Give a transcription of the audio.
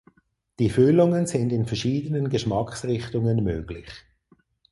Die Füllungen sind in verschiedenen Geschmacksrichtungen möglich.